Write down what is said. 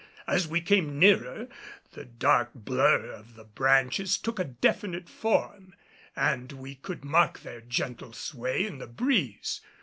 As we came nearer, the dark blur of the branches took a definite form, and we could mark their gentle sway in the breeze.